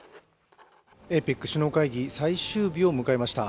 ＡＰＥＣ首脳会議最終日を迎えました。